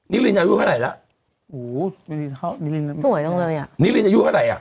นิรินทร์อายุเท่าไหร่แล้วโหสวยจังเลยอะนิรินทร์อายุเท่าไหร่อะ